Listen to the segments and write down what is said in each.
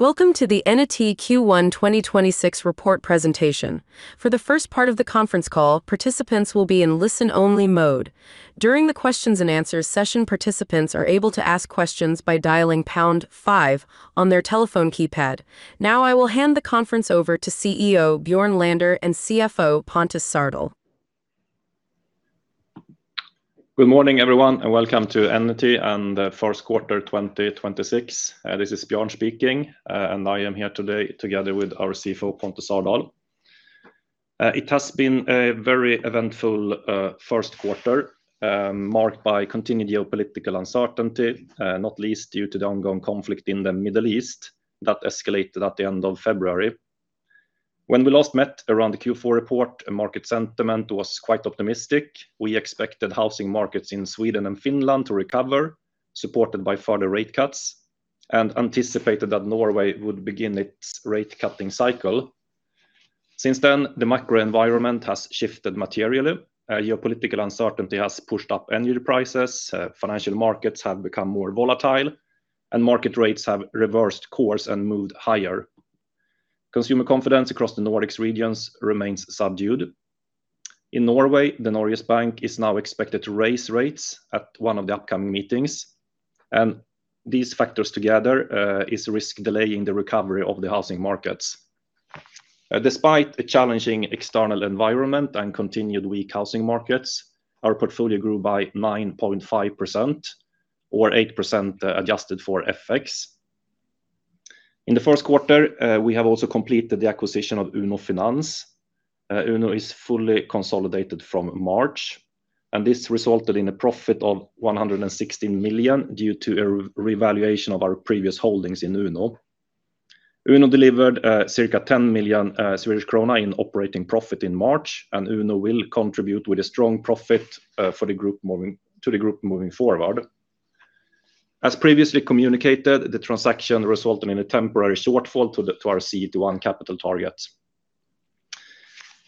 Welcome to the Enity Q1 2026 report presentation. For the first part of the conference call, participants will be in listen-only mode. During the questions and answers session, participants are able to ask questions by dialing pound five on their telephone keypad. Now I will hand the conference over to CEO Björn Lander and CFO Pontus Sardal. Good morning, everyone, and welcome to Enity and first quarter 2026. This is Björn speaking, and I am here today together with our CFO, Pontus Sardal. It has been a very eventful first quarter, marked by continued geopolitical uncertainty, not least due to the ongoing conflict in the Middle East that escalated at the end of February. When we last met around the Q4 report, market sentiment was quite optimistic. We expected housing markets in Sweden and Finland to recover, supported by further rate cuts, and anticipated that Norway would begin its rate cutting cycle. Since then, the macro environment has shifted materially. Geopolitical uncertainty has pushed up energy prices, financial markets have become more volatile, and market rates have reversed course and moved higher. Consumer confidence across the Nordics regions remains subdued. In Norway, Norges Bank is now expected to raise rates at one of the upcoming meetings, these factors together risk delaying the recovery of the housing markets. Despite a challenging external environment and continued weak housing markets, our portfolio grew by 9.5% or 8%, adjusted for FX. In the first quarter, we have also completed the acquisition of Uno Finans. Uno is fully consolidated from March, this resulted in a profit of 116 million due to a revaluation of our previous holdings in Uno. Uno delivered circa 10 million Swedish krona in operating profit in March, Uno will contribute with a strong profit for the group moving forward. As previously communicated, the transaction resulted in a temporary shortfall to our CET1 capital targets.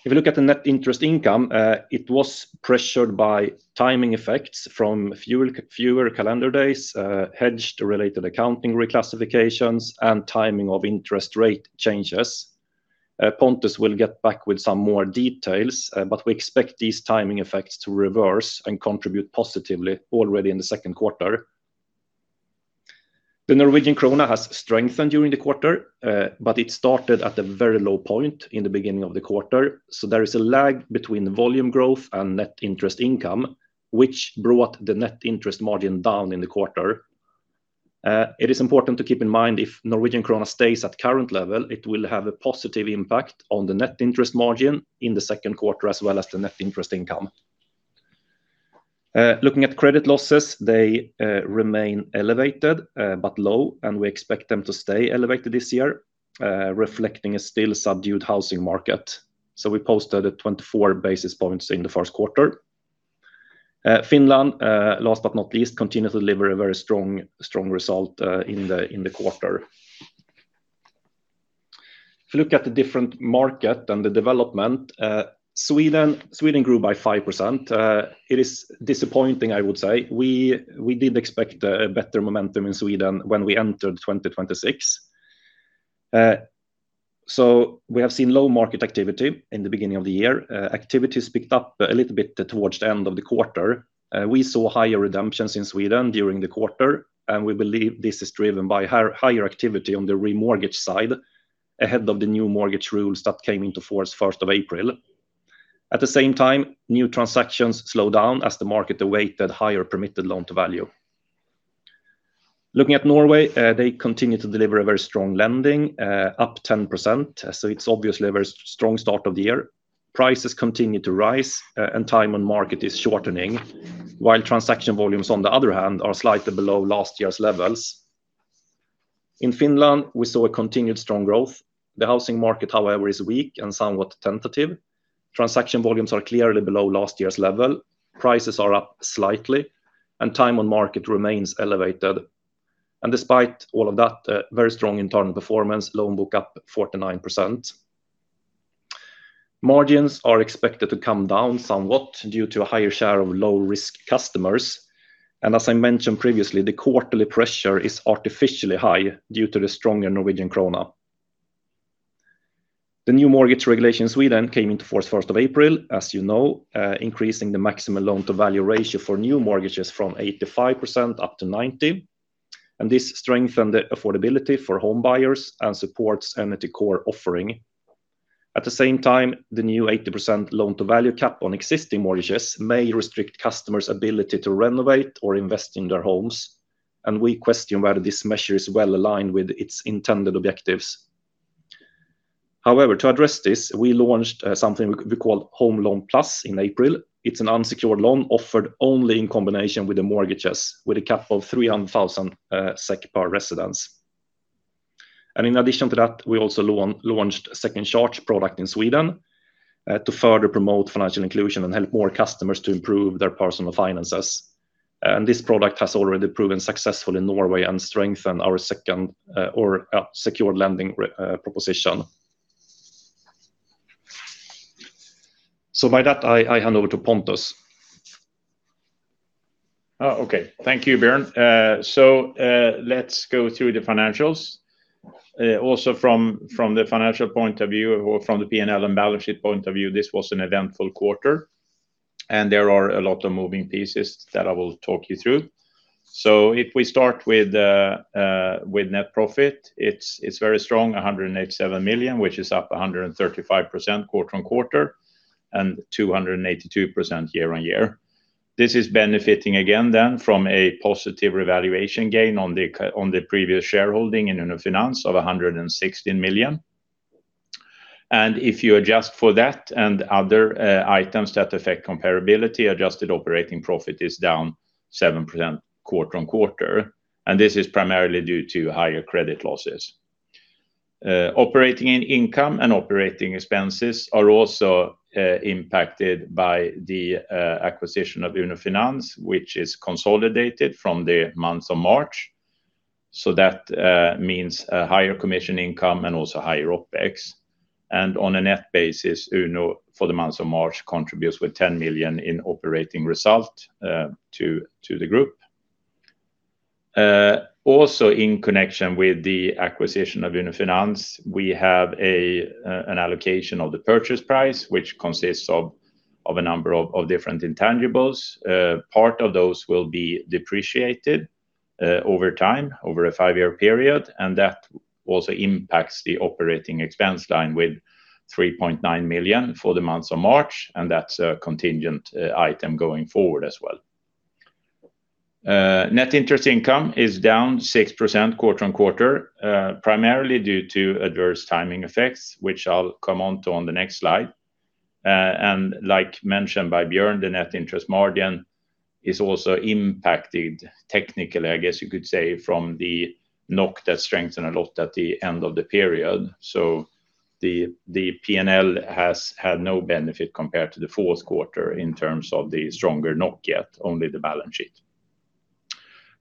If you look at the net interest income, it was pressured by timing effects from fewer calendar days, hedged related accounting reclassifications, and timing of interest rate changes. Pontus will get back with some more details, but we expect these timing effects to reverse and contribute positively already in the second quarter. The Norwegian krone has strengthened during the quarter, but it started at a very low point in the beginning of the quarter, so there is a lag between volume growth and net interest income, which brought the net interest margin down in the quarter. It is important to keep in mind if Norwegian krone stays at current level, it will have a positive impact on the net interest margin in the second quarter, as well as the net interest income. Looking at credit losses, they remain elevated, but low, and we expect them to stay elevated this year, reflecting a still subdued housing market. We posted at 24 basis points in the first quarter. Finland, last but not least, continue to deliver a very strong result in the quarter. If you look at the different market and the development, Sweden grew by 5%. It is disappointing, I would say. We did expect a better momentum in Sweden when we entered 2026. We have seen low market activity in the beginning of the year. Activities picked up a little bit towards the end of the quarter. We saw higher redemptions in Sweden during the quarter, and we believe this is driven by higher activity on the remortgage side ahead of the New Mortgage Rules that came into force 1st of April. At the same time, new transactions slow down as the market awaited higher permitted loan-to-value. Looking at Norway, they continue to deliver a very strong lending, up 10%. It's obviously a very strong start of the year. Prices continue to rise, and time on market is shortening, while transaction volumes on the other hand, are slightly below last year's levels. In Finland, we saw a continued strong growth. The housing market, however, is weak and somewhat tentative. Transaction volumes are clearly below last year's level. Prices are up slightly and time on market remains elevated. Despite all of that, a very strong internal performance, loan book up 49%. Margins are expected to come down somewhat due to a higher share of low-risk customers. As I mentioned previously, the quarterly pressure is artificially high due to the stronger Norwegian krone. The new mortgage regulation in Sweden came into force first of April, as you know, increasing the maximum loan-to-value ratio for new mortgages from 85% up to 90%. This strengthened the affordability for home buyers and supports Enity core offering. At the same time, the new 80% loan-to-value cap on existing mortgages may restrict customers' ability to renovate or invest in their homes, and we question whether this measure is well aligned with its intended objectives. However, to address this, we launched something we call Home Loan Plus in April. It's an unsecured loan offered only in combination with the mortgages with a cap of 300,000 per residence. In addition to that, we also launched a second charge product in Sweden to further promote financial inclusion and help more customers to improve their personal finances. This product has already proven successful in Norway and strengthened our second secure lending proposition. By that, I hand over to Pontus. Oh, okay. Thank you, Björn. Let's go through the financials. Also from the financial point of view or from the P&L and balance sheet point of view, this was an eventful quarter, and there are a lot of moving pieces that I will talk you through. If we start with net profit, it's very strong, 187 million, which is up 135% quarter-on-quarter and 282% year-on-year. This is benefiting again then from a positive revaluation gain on the previous shareholding in Uno Finans of 116 million. If you adjust for that and other items that affect comparability, adjusted operating profit is down 7% quarter-on-quarter, and this is primarily due to higher credit losses. Operating income and operating expenses are also impacted by the acquisition of Uno Finans, which is consolidated from the month of March. That means a higher commission income and also higher OpEx. On a net basis, Uno, for the month of March, contributes with 10 million in operating result to the group. Also in connection with the acquisition of Uno Finans, we have an allocation of the purchase price, which consists of a number of different intangibles. Part of those will be depreciated over time, over a five-year period, and that also impacts the operating expense line with 3.9 million for the month of March, and that's a contingent item going forward as well. Net interest income is down 6% quarter-on-quarter, primarily due to adverse timing effects, which I'll come on to on the next slide. Like mentioned by Björn, the net interest margin is also impacted technically, I guess you could say, from the NOK that strengthened a lot at the end of the period. The P&L has had no benefit compared to the fourth quarter in terms of the stronger NOK yet, only the balance sheet.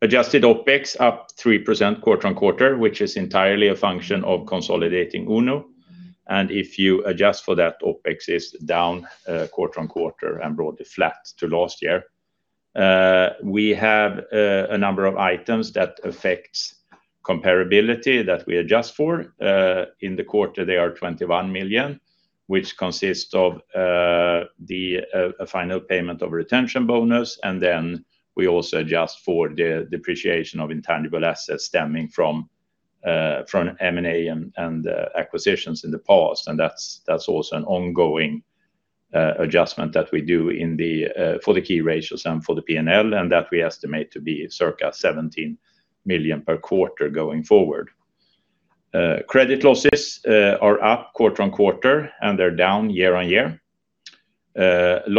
Adjusted OpEx up 3% quarter-on-quarter, which is entirely a function of consolidating Uno. If you adjust for that, OpEx is down quarter-on-quarter and broadly flat to last year. We have a number of items that affect comparability that we adjust for. In the quarter they are 21 million, which consists of the final payment of retention bonus and then we also adjust for the depreciation of intangible assets stemming from M&A and acquisitions in the past. That's also an ongoing adjustment that we do in the for the key ratios and for the P&L, and that we estimate to be circa 17 million per quarter going forward. Credit losses are up quarter-on-quarter, and they're down year-on-year.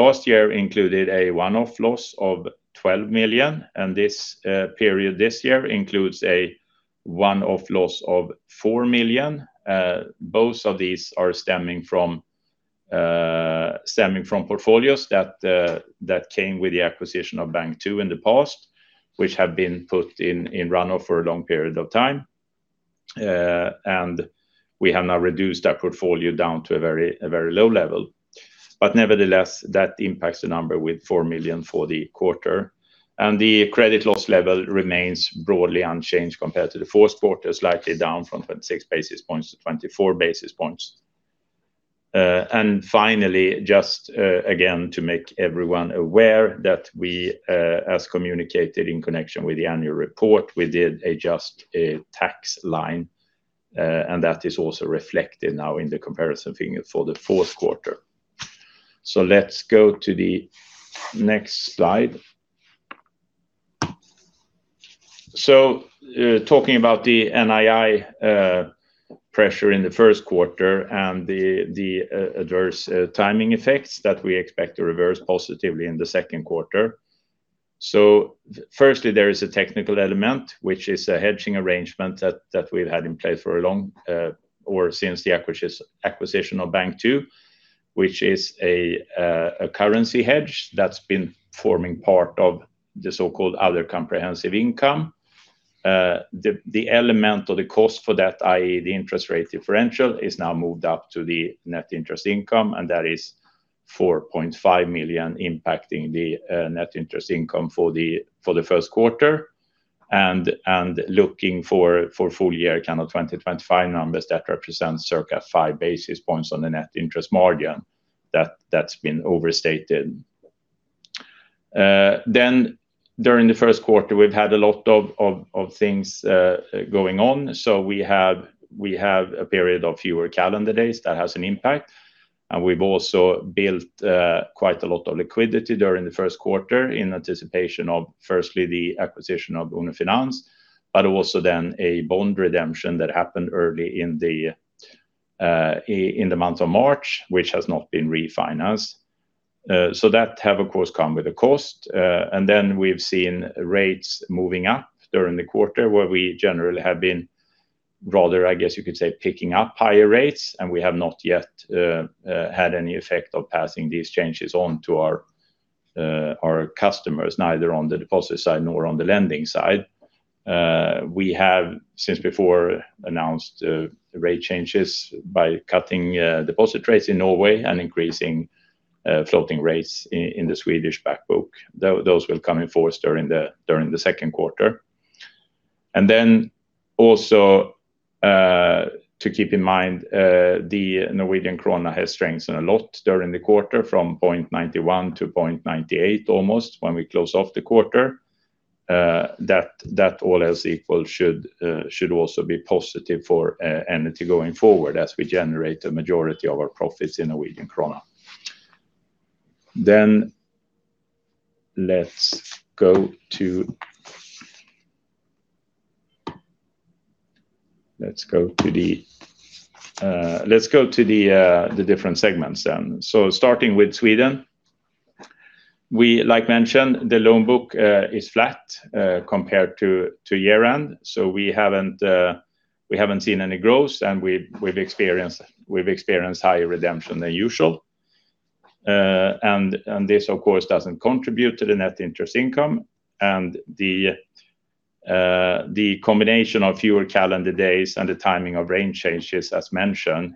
Last year included a one-off loss of 12 million, and this period this year includes a one-off loss of 4 million. Both of these are stemming from stemming from portfolios that came with the acquisition of Bank2 in the past, which have been put in runoff for a long period of time. And we have now reduced that portfolio down to a very low level. Nevertheless, that impacts the number with 4 million for the quarter. The credit loss level remains broadly unchanged compared to the fourth quarter, slightly down from 26 basis points to 24 basis points. Finally, just again, to make everyone aware that we, as communicated in connection with the annual report, we did adjust a tax line, that is also reflected now in the comparison figure for the fourth quarter. Let's go to the next slide. Talking about the NII pressure in the first quarter and the adverse timing effects that we expect to reverse positively in the second quarter. Firstly, there is a technical element, which is a hedging arrangement that we've had in place for a long, or since the acquisition of Bank2, which is a currency hedge that's been forming part of the so-called other comprehensive income. The element or the cost for that, i.e. the interest rate differential, is now moved up to the net interest income, and that is 4.5 million impacting the net interest income for the first quarter. Looking for full year kind of 2025 numbers, that represents circa 5 basis points on the net interest margin that's been overstated. During the first quarter, we've had a lot of things going on. We have a period of fewer calendar days that has an impact. We've also built quite a lot of liquidity during the first quarter in anticipation of firstly the acquisition of Uno Finans, but also a bond redemption that happened early in the month of March, which has not been refinanced. That have of course come with a cost. We've seen rates moving up during the quarter where we generally have been rather, I guess you could say, picking up higher rates and we have not yet had any effect of passing these changes on to our customers, neither on the deposit side nor on the lending side. We have since before announced rate changes by cutting deposit rates in Norway and increasing floating rates in the Swedish back book. Those will come in force during the second quarter. To keep in mind, the Norwegian krone has strengthened a lot during the quarter from 0.91 to 0.98 almost when we close off the quarter. That all else equal should also be positive for Enity going forward as we generate the majority of our profits in Norwegian krone. Let's go to the different segments then. Starting with Sweden, we like mentioned the loan book is flat compared to year-end. We haven't seen any growth, and we've experienced higher redemption than usual. This of course doesn't contribute to the net interest income, and the combination of fewer calendar days and the timing of range changes as mentioned,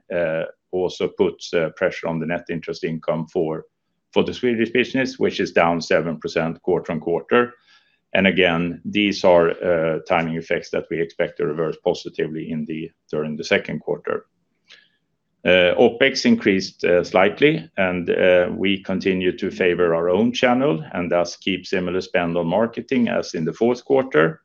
also puts pressure on the net interest income for the Swedish business, which is down 7% quarter-on-quarter. Again, these are timing effects that we expect to reverse positively during the second quarter. OpEx increased slightly, and we continue to favor our own channel and thus keep similar spend on marketing as in the fourth quarter,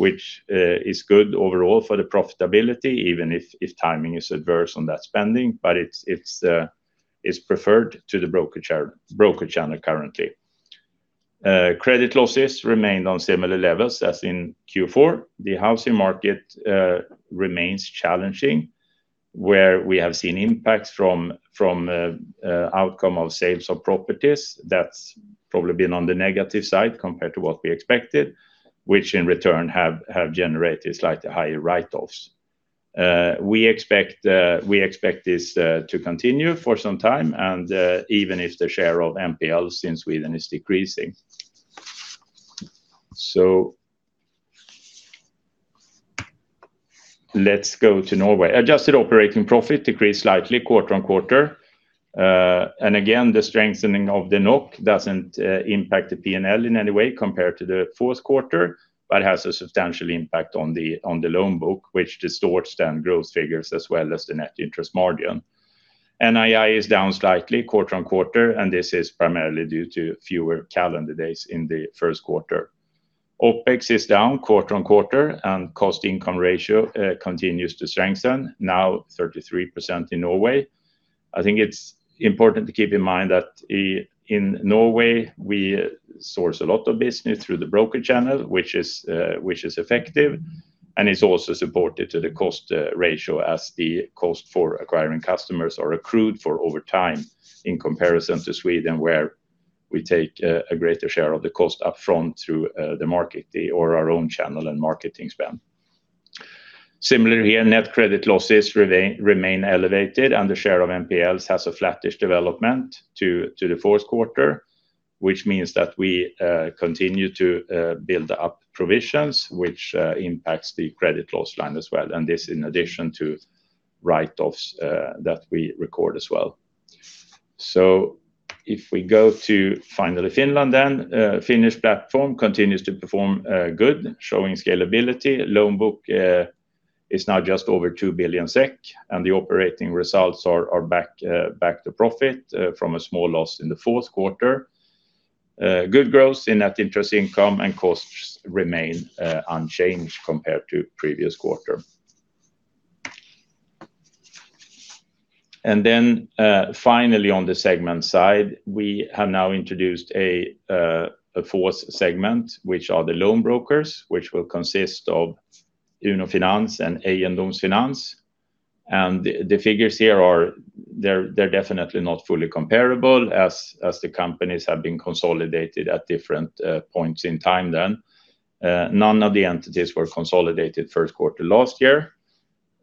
which is good overall for the profitability even if timing is adverse on that spending, but it's preferred to the broker channel currently. Credit losses remained on similar levels as in Q4. The housing market remains challenging, where we have seen impacts from outcome of sales of properties that's probably been on the negative side compared to what we expected, which in return have generated slightly higher write-offs. We expect this to continue for some time even if the share of NPLs in Sweden is decreasing. Let's go to Norway. Adjusted operating profit decreased slightly quarter on quarter. Again, the strengthening of the NOK doesn't impact the P&L in any way compared to the fourth quarter, but has a substantial impact on the loan book, which distorts then growth figures as well as the net interest margin. NII is down slightly quarter on quarter, and this is primarily due to fewer calendar days in the first quarter. OpEx is down quarter on quarter, and cost income ratio continues to strengthen, now 33% in Norway. I think it's important to keep in mind that in Norway, we source a lot of business through the broker channel, which is effective, and it's also supported to the cost ratio as the cost for acquiring customers are accrued for over time in comparison to Sweden, where we take a greater share of the cost upfront through the market or our own channel and marketing spend. Similarly here, net credit losses remain elevated, the share of NPLs has a flattish development to the 4th quarter, which means that we continue to build up provisions which impacts the credit loss line as well. This in addition to write-offs that we record as well. If we go to finally Finland, Finnish platform continues to perform good, showing scalability. Loan book is now just over 2 billion SEK, the operating results are back to profit from a small loss in the fourth quarter. Good growth in net interest income. Costs remain unchanged compared to previous quarter. Finally on the segment side, we have now introduced a fourth segment, which are the loan brokers, which will consist of Uno Finans and Eiendomsfinans. The figures here are definitely not fully comparable as the companies have been consolidated at different points in time then. None of the entities were consolidated first quarter last year.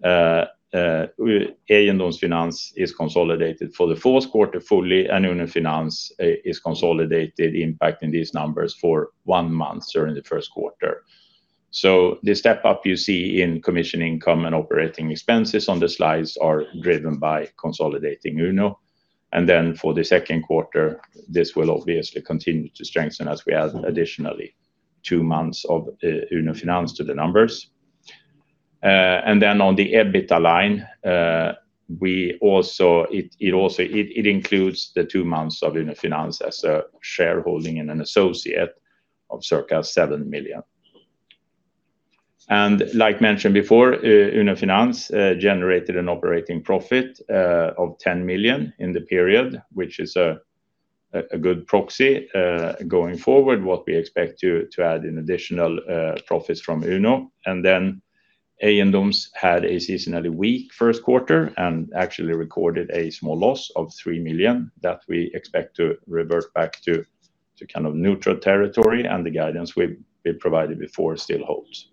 Eiendomsfinans is consolidated for the fourth quarter fully and Uno Finans is consolidated impacting these numbers for one month during the first quarter. The step up you see in commission income and operating expenses on the slides are driven by consolidating Uno. Then for the second quarter, this will obviously continue to strengthen as we add additionally two months of Uno Finans to the numbers. Then on the EBITDA line, it includes the two months of Uno Finans as a shareholding and an associate of circa 7 million. Like mentioned before, Uno Finans generated an operating profit of 10 million in the period, which is a good proxy going forward what we expect to add in additional profits from Uno. Eiendomsfinans had a seasonally weak first quarter and actually recorded a small loss of 3 million that we expect to revert back to kind of neutral territory and the guidance we provided before still holds.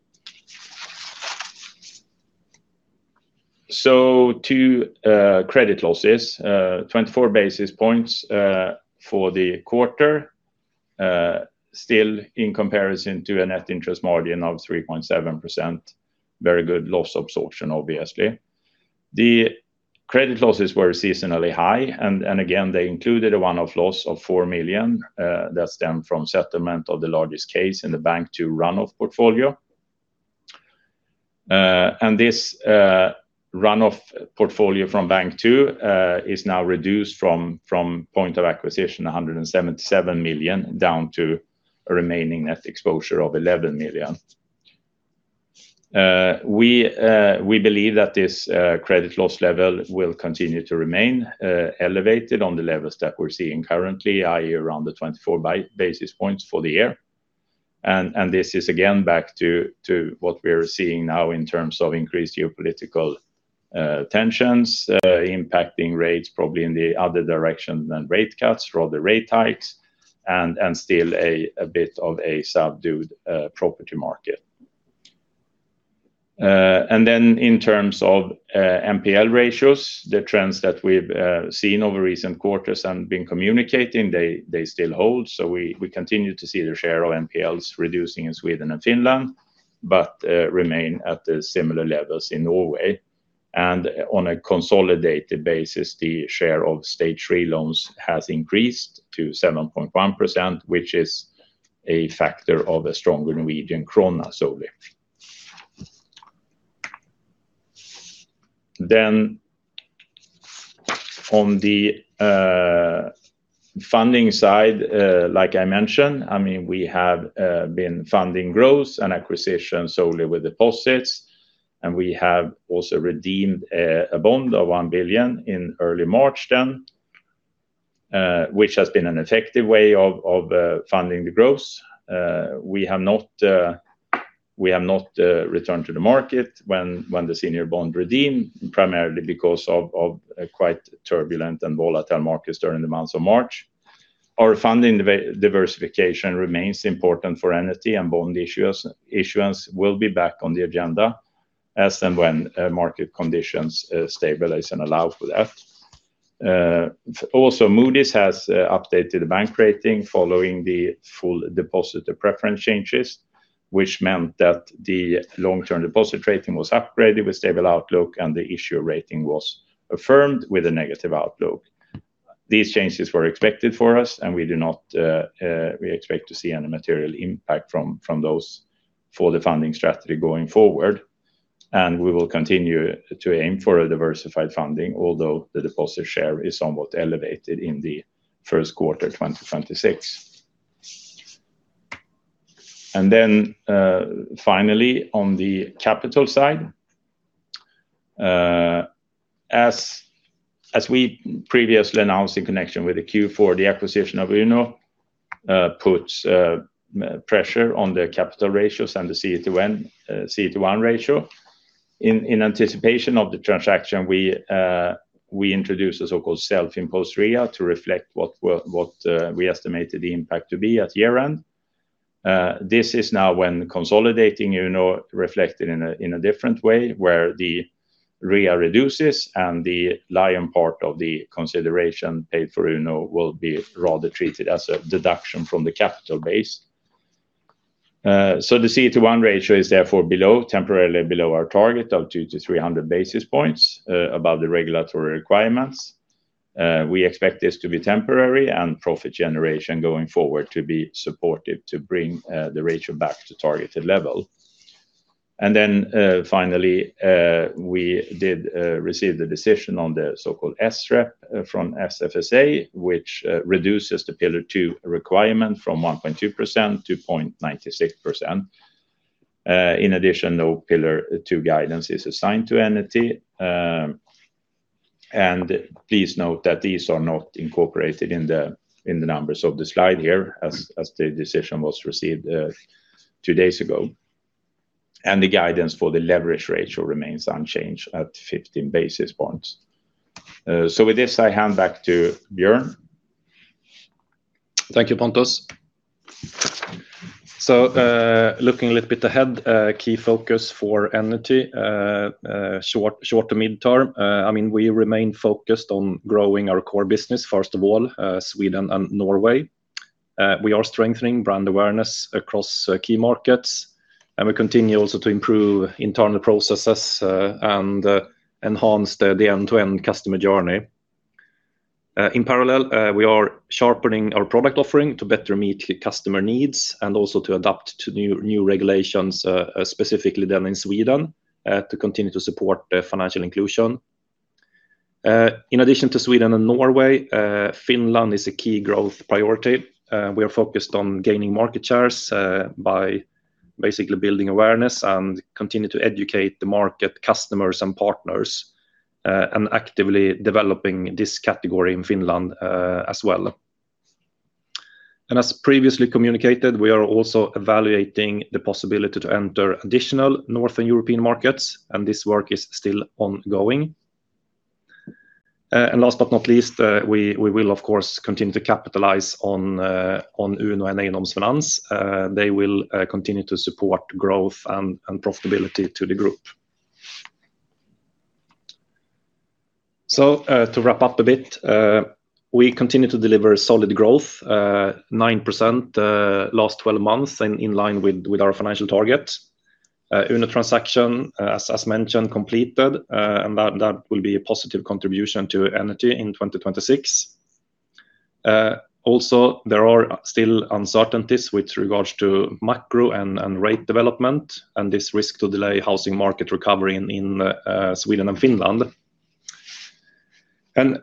To credit losses, 24 basis points for the quarter, still in comparison to a net interest margin of 3.7%, very good loss absorption obviously. The credit losses were seasonally high and again, they included a one-off loss of 4 million that stemmed from settlement of the largest case in the Bank2 run-off portfolio. This run-off portfolio from Bank2 is now reduced from point of acquisition, 177 million, down to a remaining net exposure of 11 million. We believe that this credit loss level will continue to remain elevated on the levels that we're seeing currently, i.e., around the 24 basis points for the year. This is again back to what we're seeing now in terms of increased geopolitical tensions impacting rates probably in the other direction than rate cuts, rather rate hikes and still a bit of a subdued property market. Then in terms of NPL ratios, the trends that we've seen over recent quarters and been communicating, they still hold. We continue to see the share of NPLs reducing in Sweden and Finland, but remain at similar levels in Norway. On a consolidated basis, the share of stage three loans has increased to 7.1%, which is a factor of a stronger Norwegian krone solely. On the funding side, like I mentioned, I mean, we have been funding growth and acquisitions solely with deposits, and we have also redeemed a bond of 1 billion in early March, which has been an effective way of funding the growth. We have not returned to the market when the senior bond redeemed, primarily because of quite turbulent and volatile markets during the months of March. Our funding diversification remains important for Enity and bond issuance will be back on the agenda as and when market conditions stabilize and allow for that. Also Moody's has updated the bank rating following the full depositor preference changes, which meant that the long-term depositor rating was upgraded with stable outlook and the issuer rating was affirmed with a negative outlook. These changes were expected for us, and we do not expect to see any material impact from those for the funding strategy going forward. We will continue to aim for a diversified funding, although the depositor share is somewhat elevated in the first quarter 2026. Finally, on the capital side, as we previously announced in connection with the Q4, the acquisition of Uno puts pressure on the capital ratios and the CET1 ratio. In anticipation of the transaction, we introduced a so-called self-imposed RIA to reflect what we estimated the impact to be at year-end. This is now when consolidating Uno reflected in a different way, where the RIA reduces and the lion part of the consideration paid for Uno will be rather treated as a deduction from the capital base. The CET1 ratio is therefore below, temporarily below our target of 200-300 basis points above the regulatory requirements. We expect this to be temporary and profit generation going forward to be supportive to bring the ratio back to targeted level. Finally, we did receive the decision on the so-called SREP from SFSA, which reduces the Pillar 2 requirement from 1.2% to 0.96%. In addition, no Pillar 2 guidance is assigned to Enity. Please note that these are not incorporated in the numbers of the slide here as the decision was received two days ago. The guidance for the leverage ratio remains unchanged at 15 basis points. With this, I hand back to Björn. Thank you, Pontus. Looking a little bit ahead, key focus for Enity short to mid-term, I mean, we remain focused on growing our core business, first of all, Sweden and Norway. We are strengthening brand awareness across key markets, and we continue also to improve internal processes and enhance the end-to-end customer journey. In parallel, we are sharpening our product offering to better meet customer needs and also to adapt to new regulations, specifically then in Sweden, to continue to support financial inclusion. In addition to Sweden and Norway, Finland is a key growth priority. We are focused on gaining market shares by basically building awareness and continue to educate the market customers and partners and actively developing this category in Finland as well. As previously communicated, we are also evaluating the possibility to enter additional Northern European markets. This work is still ongoing. Last but not least, we will of course continue to capitalize on Uno and Eiendomsfinans. They will continue to support growth and profitability to the group. To wrap up a bit, we continue to deliver solid growth, 9% last 12 months, in line with our financial target. Uno transaction, as mentioned, completed, and that will be a positive contribution to Enity in 2026. Also, there are still uncertainties with regards to macro and rate development, and this risk to delay housing market recovery in Sweden and Finland.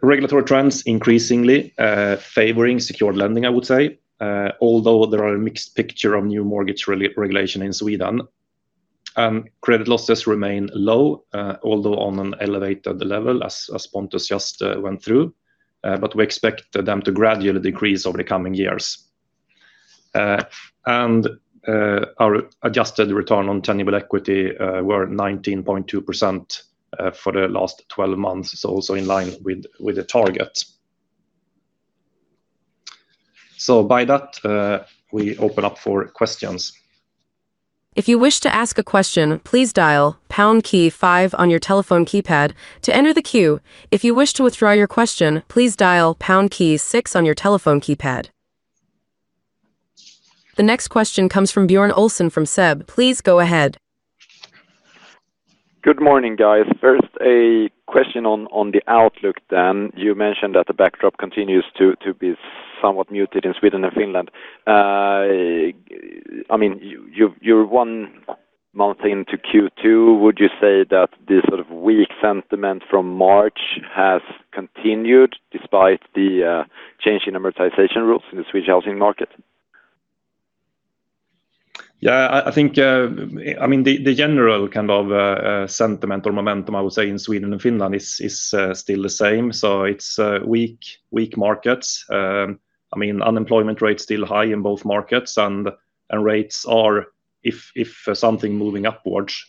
Regulatory trends increasingly favoring secured lending, I would say, although there are a mixed picture of new mortgage regulation in Sweden. Credit losses remain low, although on an elevated level as Pontus just went through. We expect them to gradually decrease over the coming years. Our adjusted return on tangible equity were 19.2% for the last 12 months, so also in line with the target. By that, we open up for questions. The next question comes from Björn Olsson from SEB. Please go ahead. Good morning, guys. First, a question on the outlook. You mentioned that the backdrop continues to be somewhat muted in Sweden and Finland. I mean, you're one month into Q2, would you say that this sort of weak sentiment from March has continued despite the change in amortization rules in the Swedish housing market? I think, I mean, the general kind of sentiment or momentum I would say in Sweden and Finland is still the same. It's weak markets. I mean, unemployment rate still high in both markets and rates are if something moving upwards.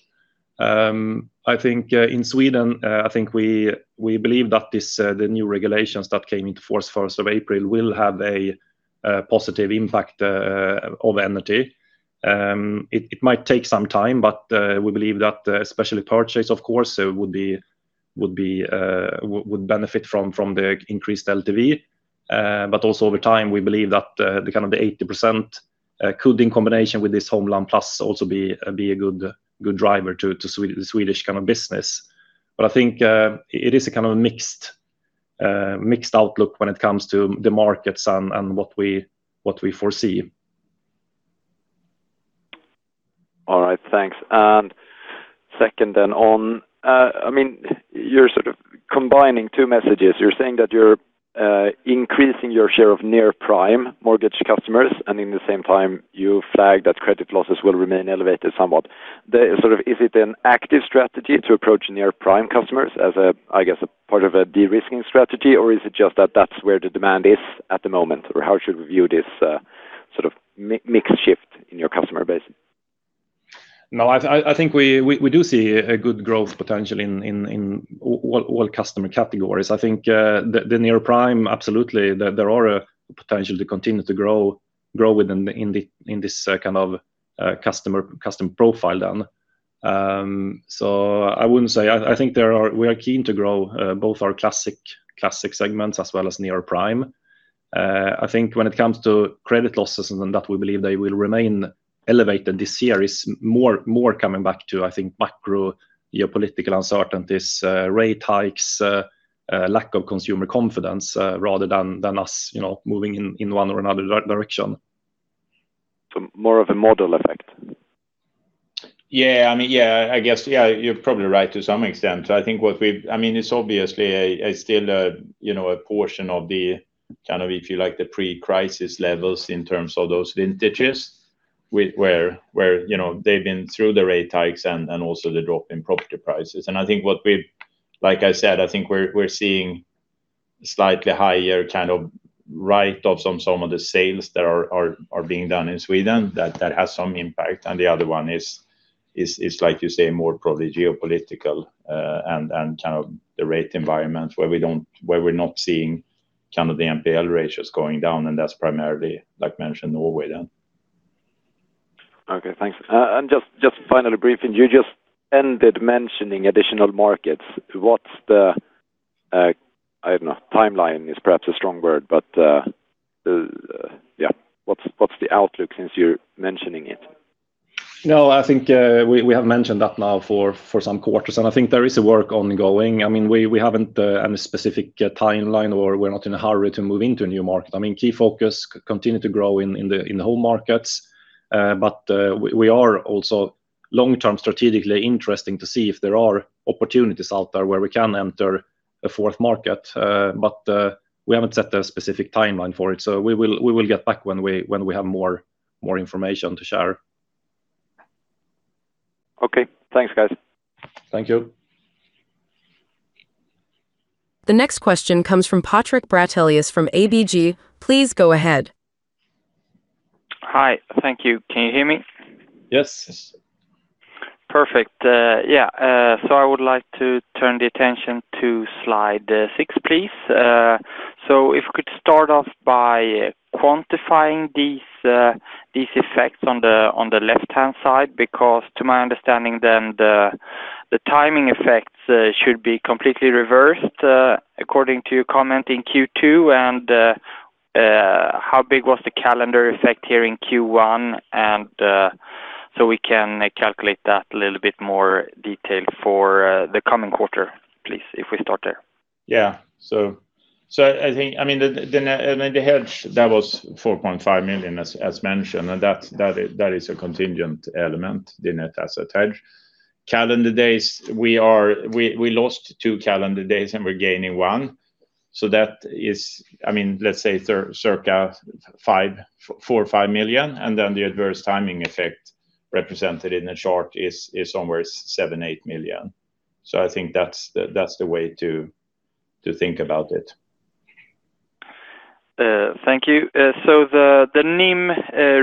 I think in Sweden, I think we believe that this the new regulations that came into force first of April will have a positive impact over Enity. It might take some time, but we believe that especially purchase of course would be would benefit from the increased LTV. Also over time, we believe that the kind of the 80% could in combination with this Home Loan Plus also be a good driver to Swedish kind of business. I think it is a kind of mixed mixed outlook when it comes to the markets and what we foresee. All right, thanks. Second then on, I mean, you're sort of combining two messages. You're saying that you're increasing your share of near-prime mortgage customers, and in the same time you flag that credit losses will remain elevated somewhat. The sort of is it an active strategy to approach near-prime customers as a, I guess, a part of a de-risking strategy, or is it just that that's where the demand is at the moment? How should we view this sort of mixed shift in your customer base? No, I think we do see a good growth potential in all customer categories. I think the near-prime, absolutely, there are a potential to continue to grow within in this kind of customer profile then. I wouldn't say I think we are keen to grow both our classic segments as well as near-prime. I think when it comes to credit losses and that we believe they will remain elevated this year is more coming back to, I think, macro geopolitical uncertainties, rate hikes, lack of consumer confidence, rather than us, you know, moving in one or another direction. More of a model effect. You're probably right to some extent. It's obviously still a portion of the pre-crisis levels in terms of those vintages where they've been through the rate hikes and also the drop in property prices. We're seeing slightly higher kind of write-offs on some of the sales that are being done in Sweden that has some impact. The other one is like you say, more probably geopolitical and kind of the rate environment where we're not seeing kind of the NPL ratios going down, and that's primarily, like mentioned, Norway. Okay, thanks. Just finally briefing, you just ended mentioning additional markets. What's the, I don't know, timeline is perhaps a strong word, but, yeah, what's the outlook since you're mentioning it? No, I think we have mentioned that now for some quarters. I think there is a work ongoing. I mean, we haven't any specific timeline or we're not in a hurry to move into a new market. I mean, key focus continue to grow in the home markets. We are also long-term strategically interesting to see if there are opportunities out there where we can enter a fourth market. We haven't set a specific timeline for it. We will get back when we have more information to share. Okay. Thanks, guys. Thank you. The next question comes from Patrik Brattelius from ABG. Please go ahead. Hi. Thank you. Can you hear me? Yes. Perfect. Yeah, so I would like to turn the attention to slide six, please. So if we could start off by quantifying these effects on the left-hand side because to my understanding then the timing effects should be completely reversed according to your comment in Q2 and how big was the calendar effect here in Q1 and so we can calculate that a little bit more detailed for the coming quarter, please, if we start there. Yeah. I think, I mean, the net, I mean, the hedge, that was 4.5 million as mentioned, that is a contingent element, the net asset hedge. Calendar days we lost two calendar days, we're gaining one, that is, I mean, let's say circa 4 or 5 million, the adverse timing effect represented in the chart is somewhere 7 million, 8 million. I think that's the way to think about it. Thank you. The NIM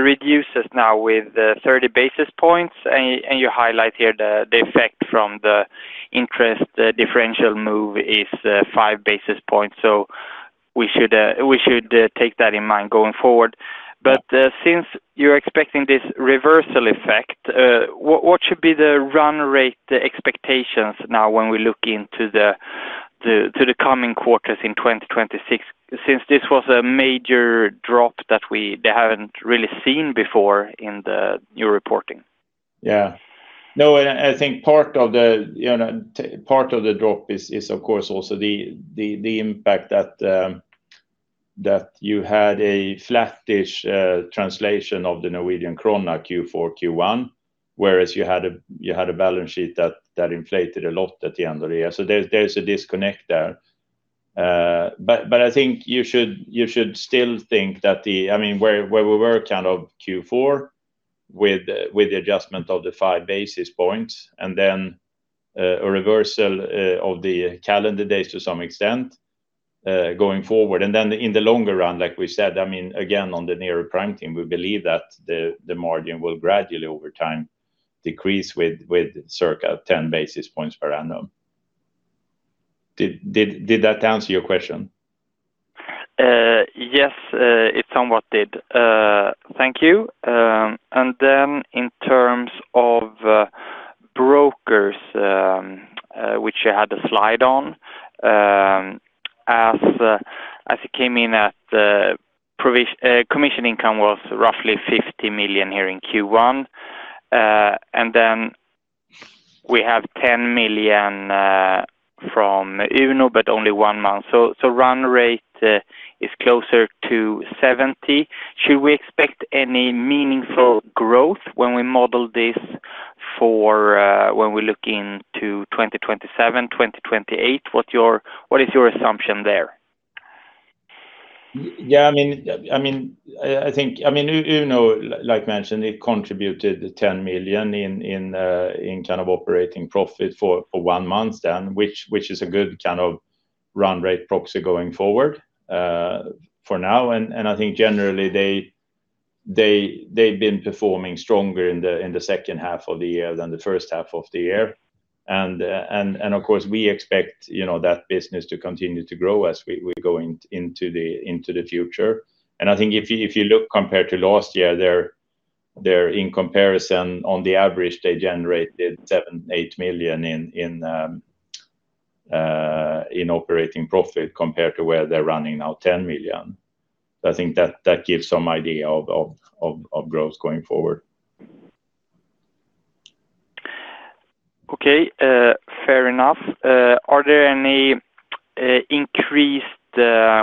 reduces now with 30 basis points and you highlight here the effect from the interest differential move is 5 basis points, so we should take that in mind going forward. Yeah. Since you're expecting this reversal effect, what should be the run rate, the expectations now when we look into the coming quarters in 2026 since this was a major drop that they haven't really seen before in the new reporting? No, I think part of the, you know, part of the drop is, of course also the impact that you had a flattish translation of the Norwegian krone Q4, Q1 whereas you had a balance sheet that inflated a lot at the end of the year. There's a disconnect there. I think you should still think that the I mean, where we were kind of Q4 with the adjustment of the five basis points and then a reversal of the calendar days to some extent going forward. Then in the longer run like we said, I mean, again, on the near-prime we believe that the margin will gradually over time decrease with circa 10 basis points per annum. Did that answer your question? Yes, it somewhat did. Thank you. In terms of brokers, which you had a slide on, as it came in at commission income was roughly 50 million here in Q1, and then we have 10 million from Uno but only one month. Run rate is closer to 70 million. Should we expect any meaningful growth when we model this for when we look into 2027, 2028? What is your assumption there? Yeah, I think, Uno, like mentioned, it contributed 10 million in kind of operating profit for one month which is a good kind of run rate proxy going forward for now. I think generally they've been performing stronger in the second half of the year than the first half of the year. Of course we expect, you know, that business to continue to grow as we go into the future. I think if you look compared to last year, they're in comparison on the average they generated 7 million, 8 million in operating profit compared to where they're running now 10 million. I think that gives some idea of growth going forward. Okay. Fair enough.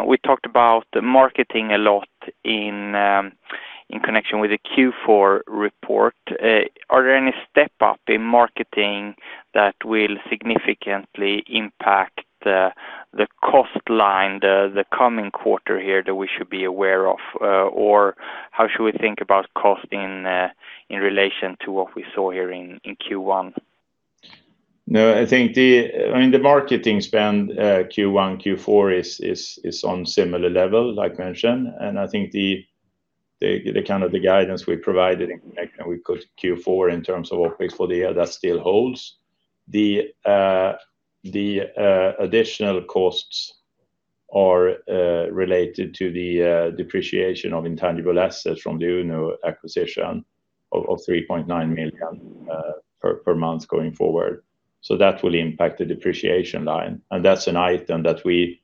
We talked about marketing a lot in connection with the Q4 report. Are there any step up in marketing that will significantly impact the cost line the coming quarter here that we should be aware of? Or how should we think about cost in relation to what we saw here in Q1? The marketing spend Q1, Q4 is on similar level like mentioned, and I think the kind of the guidance we provided in connection with Q4 in terms of OpEx for the year that still holds. The additional costs are related to the depreciation of intangible assets from the Uno acquisition of 3.9 million per month going forward. That will impact the depreciation line, and that's an item that we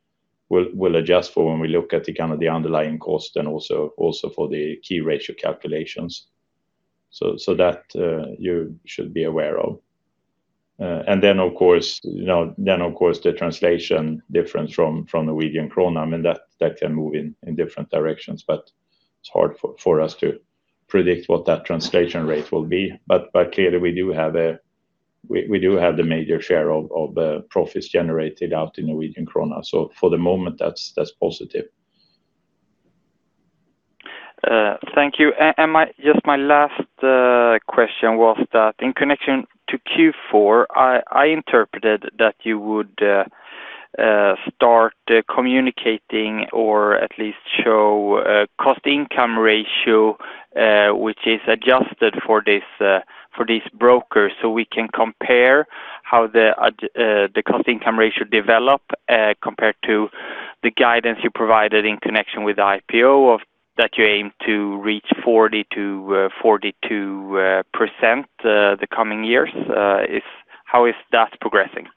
will adjust for when we look at the kind of the underlying cost and also for the key ratio calculations. That you should be aware of. Of course, you know, then of course the translation difference from Norwegian krone, I mean, that can move in different directions, but it's hard for us to predict what that translation rate will be. Clearly, we do have the major share of the profits generated out in Norwegian krone. For the moment that's positive. Thank you. My, just my last question was that in connection to Q4 I interpreted that you would start communicating or at least show cost income ratio, which is adjusted for this, for this broker so we can compare how the cost income ratio develop compared to the guidance you provided in connection with the IPO of that you aim to reach 40%-42% the coming years. How is that progressing?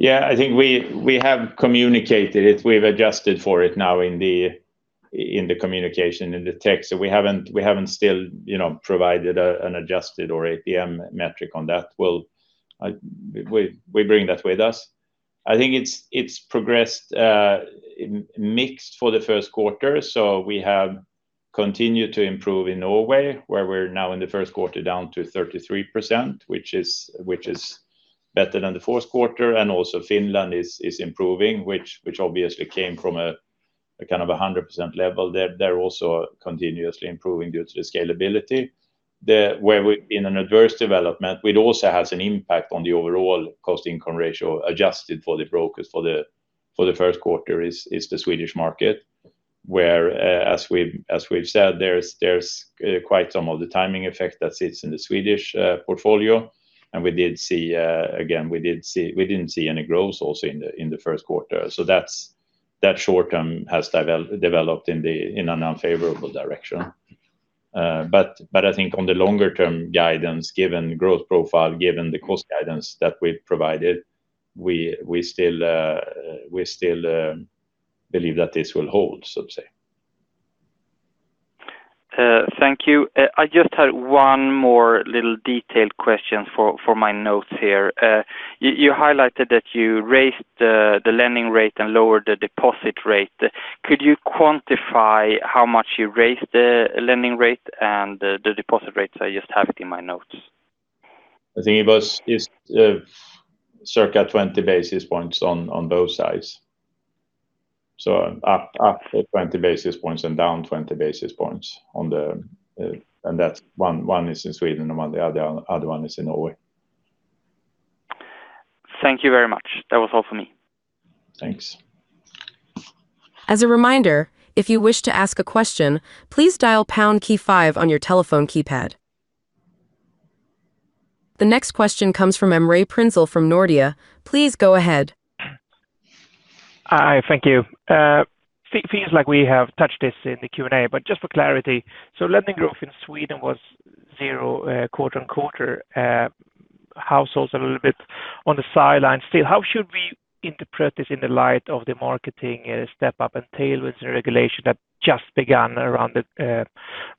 I think we have communicated it. We've adjusted for it now in the, in the communication, in the tech. We haven't still, you know, provided an adjusted or APM metric on that. We bring that with us. I think it's progressed mixed for the first quarter. We have continued to improve in Norway, where we're now in the first quarter down to 33%, which is better than the fourth quarter. Also Finland is improving, which obviously came from a kind of a 100% level. They're also continuously improving due to the scalability. Where we in an adverse development, it also has an impact on the overall cost-income ratio adjusted for the brokers for the first quarter is the Swedish market, where as we've said, there's quite some of the timing effect that sits in the Swedish portfolio. Again, we didn't see any growth also in the first quarter. That short term has developed in an unfavorable direction. I think on the longer term guidance, given growth profile, given the cost guidance that we've provided, we still believe that this will hold, so to say. Thank you. I just had one more little detailed question for my notes here. You highlighted that you raised the lending rate and lowered the deposit rate. Could you quantify how much you raised the lending rate and the deposit rates? I just have it in my notes. I think it was, is, circa 20 basis points on both sides. Up 20 basis points and down 20 basis points. That's one is in Sweden and one the other one is in Norway. Thank you very much. That was all for me. Thanks. The next question comes from Emre Prinzell from Nordea. Please go ahead. Hi, thank you. feels like we have touched this in the Q&A, but just for clarity. Lending growth in Sweden was zero quarter-on-quarter. Households are a little bit on the sidelines still. How should we interpret this in the light of the marketing step up and tailwinds and regulation that just began around the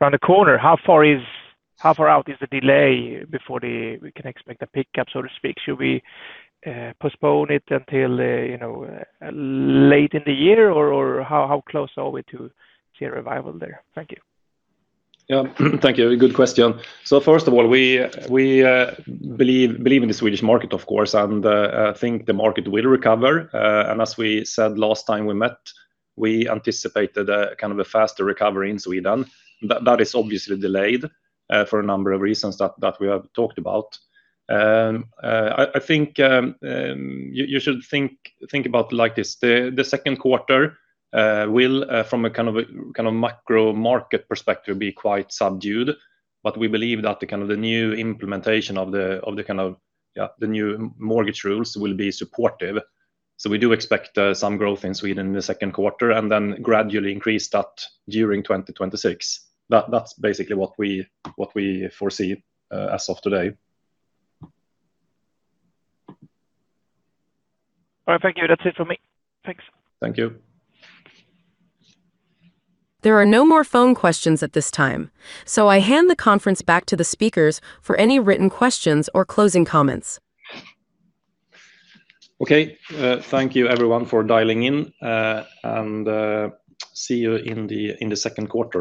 around the corner? How far out is the delay before we can expect a pickup, so to speak? Should we postpone it until, you know, late in the year? Or how close are we to see a revival there? Thank you. Yeah. Thank you. Good question. First of all, we believe in the Swedish market, of course, and think the market will recover. As we said last time we met, we anticipated a kind of a faster recovery in Sweden. That is obviously delayed for a number of reasons that we have talked about. I think you should think about like this, the second quarter will from a kind of a macro market perspective be quite subdued, we believe that the kind of the new implementation of the new mortgage rules will be supportive. We do expect some growth in Sweden in the second quarter and then gradually increase that during 2026. That's basically what we, what we foresee, as of today. All right. Thank you. That's it for me. Thanks. Thank you. There are no more phone questions at this time. I hand the conference back to the speakers for any written questions or closing comments. Okay. Thank you everyone for dialing in, and see you in the second quarter.